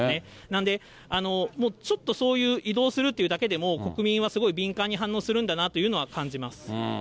なんで、ちょっとそういう移動するというだけでも、国民はすごい敏感に反応するんだなっていうのは感じます。